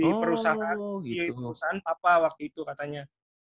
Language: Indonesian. di perusahaan papa waktu itu katanya